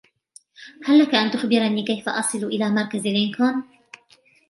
هل لك أن تخبرني كيف أصل إلى مركز لنكن ؟